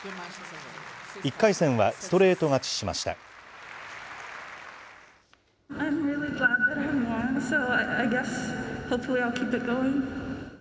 １回戦はストレート勝ちしました。